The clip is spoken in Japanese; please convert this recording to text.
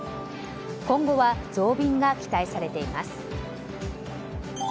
今後は増便が期待されています。